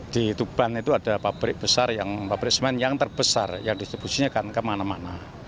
di tuban itu ada pabrik besar yang pabrik semen yang terbesar yang distribusinya kan kemana mana